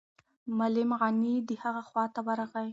معلم غني د هغه خواته ورغی.